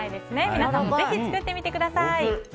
皆さん、ぜひ作ってみてください。